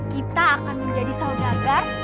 kita akan menjadi saudagar